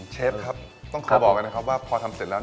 เชฟครับต้องขอบอกเลยนะครับว่าพอทำเสร็จแล้ว